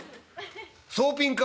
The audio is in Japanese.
「総ピンか。